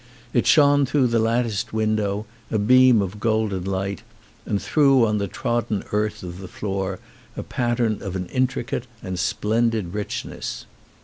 It shone through the latticed window, a beam of golden light, and threw on the trodden earth of the floor a pattern of an intricate and splendid richness.